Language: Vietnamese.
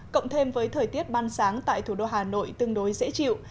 cộng thêm với thời tiết ban sáng tại thủ đô hà nội tương đối dễ chịu